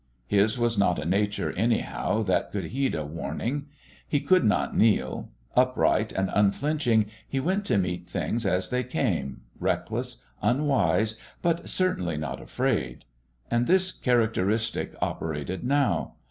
His was not a nature, anyhow, that could heed a warning. He could not kneel. Upright and unflinching, he went to meet things as they came, reckless, unwise, but certainly not afraid. And this characteristic operated now.